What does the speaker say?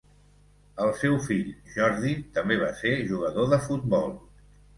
El seu fill Jordi també va ser jugador de futbol.